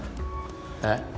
えっ？